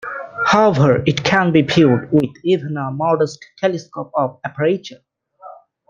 However, it can be viewed with even a modest telescope of aperture.